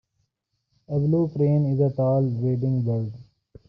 A blue crane is a tall wading bird.